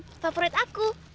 soalnya ini makanan favorit aku